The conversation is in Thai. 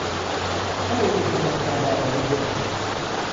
เฮ้ย มีขโมยกระบองไปได้ด้วย !